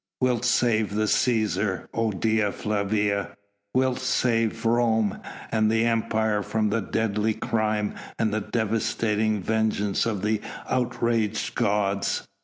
Wilt save the Cæsar, O Dea Flavia? Wilt save Rome and the Empire from a deadly crime and the devastating vengeance of the outraged gods?"